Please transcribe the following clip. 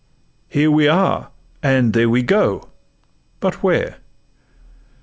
Here we are, And there we go:—but where?